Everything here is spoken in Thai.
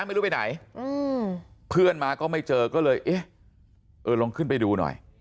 ไม่รู้ไปไหนเพื่อนมาก็ไม่เจอก็เลยเอ๊ะเออลองขึ้นไปดูหน่อย